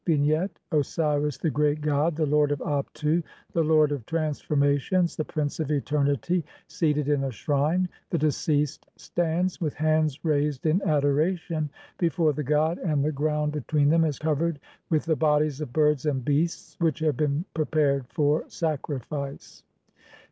] Vignette : "Osiris, the great god, the lord of Abtu, the lord of trans formations, the prince of eternity", seated in a shrine ; the deceased stands, with hands raised in adoration, before the god, and the ground THE SPEECHES OF HORUS TO OSIRIS. 321 between them is covered with the bodies of birds and beasts which have been prepared for sacrifice.